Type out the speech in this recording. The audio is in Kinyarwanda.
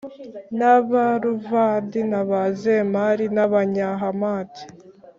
n Abaruvadi n Abazemari n Abanyahamati